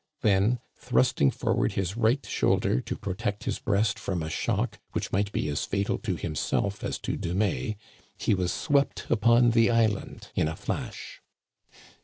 Then, thrusting forward his right shoulder to protect his breast from a shock which might be as fatal to him self as to DumaiSy he was swept upon the island in a flash.